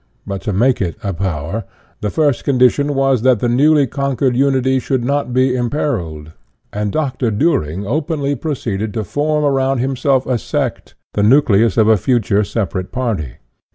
But to make it a power, the first condi tion was that the newly conquered unity should not be imperiled. And Dr. Duhring openly pro ceeded to form around himself a sect, the nucleus IO INTRODUCTION of a future separate party.